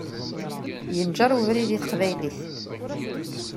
Yenǧer webrid i teqbaylit.